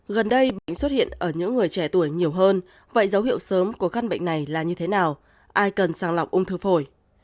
gần đây bệnh xuất hiện ở những người trẻ tuổi nhiều hơn vậy dấu hiệu sớm của căn bệnh này là như thế nào ai cần sàng lọc ung thư phổi